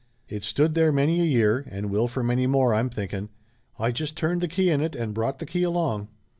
"It's stood there many a year, and will for many more, I'm thinking. I just turned the key in it, and brought the key along."